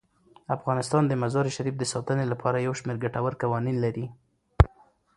افغانستان د مزارشریف د ساتنې لپاره یو شمیر ګټور قوانین لري.